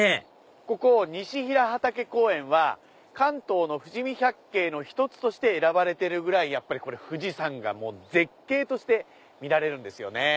ここ西平畑公園は関東の富士見百景の一つとして選ばれてるぐらい富士山が絶景として見られるんですよね。